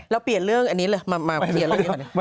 เปลี่ยนเรื่องอันนี้เลยมาเปลี่ยนเรื่องนี้ก่อน